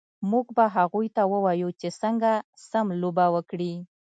موږ به هغوی ته ووایو چې څنګه سم لوبه وکړي